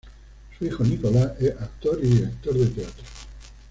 Su hijo Nicolás es actor y director de teatro.